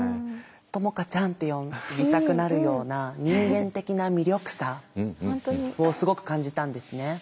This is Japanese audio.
智香ちゃんって呼びたくなるような人間的な魅力さをすごく感じたんですね。